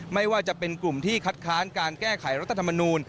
ไม่ว่าจะเป็นกลุ่มที่คัดค้านการแก้ไขรัฐธรรมนูล